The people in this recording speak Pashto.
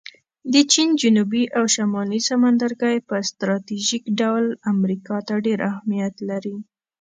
د چین جنوبي او شمالي سمندرګی په سټراټیژیک ډول امریکا ته ډېر اهمیت لري